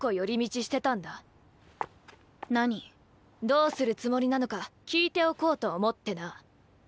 どうするつもりなのか聞いておこうと思ってな。